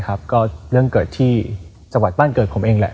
ก็เรื่องเกิดที่จังหวัดบ้านเกิดผมเองแหละ